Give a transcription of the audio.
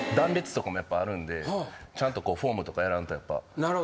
ちゃんとフォームとかやらんとやっぱ。